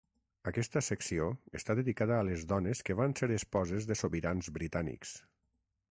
Aquesta secció està dedicada a les dones que van ser esposes de sobirans britànics.